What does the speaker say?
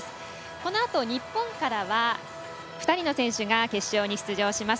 このあと日本からは２人の選手が決勝に出場します。